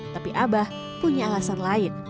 tapi abah punya alasan lain